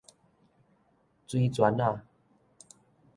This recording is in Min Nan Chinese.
水轉仔